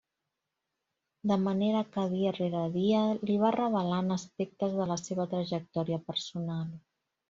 De manera que, dia rere dia, li va revelant aspectes de la seva trajectòria personal.